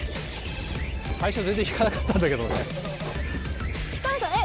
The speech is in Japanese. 最初全然引かなかったんだけどね北本さんえっ